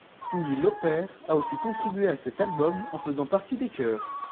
Cyndi Lauper a aussi contribué à cet album en faisant partie des chœurs.